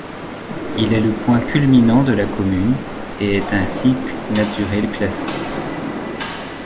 Il est le point culminant de la commune et est un site naturel classé.